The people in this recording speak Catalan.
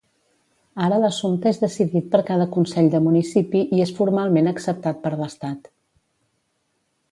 Ara l'assumpte és decidit per cada consell de municipi i és formalment acceptat per l'estat.